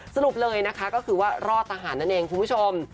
สรุปเลยนะคะก็คือว่ารอดทหารนั่นเองคุณผู้ชม